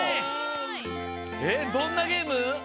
えっどんなゲーム？